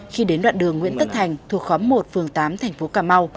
khi đến đoạn đường nguyễn tất thành thuộc khóm một phường tám tp cà mau